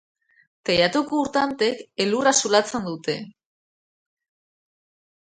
Teilatuko ur tantek elurra zulatzen dute.